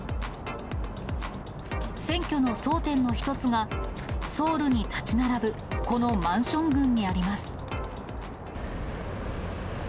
選挙の争点の一つが、ソウルに建ち並ぶ、このマンション群にあります。